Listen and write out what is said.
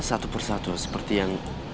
satu persatu seperti yang